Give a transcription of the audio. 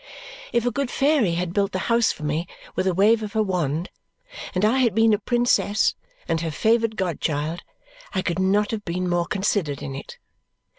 If a good fairy had built the house for me with a wave of her wand, and I had been a princess and her favoured god child, I could not have been more considered in it.